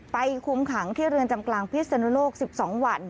คุมขังที่เรือนจำกลางพิศนุโลก๑๒วัน